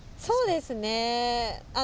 そうですね。